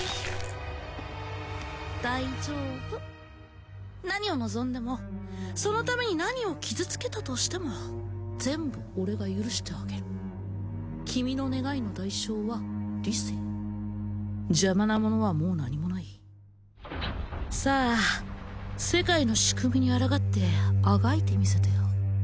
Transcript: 大丈夫何を望んでもそのために何を傷つけたとしても全部俺が許してあげる君の願いの代償は理性邪魔なものはもう何もないさあ世界の仕組みにあらがってあがいてみせてよ